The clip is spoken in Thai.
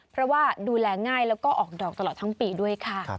เพราะว่าดูแลง่ายแล้วก็ออกดอกตลอดทั้งปีด้วยค่ะ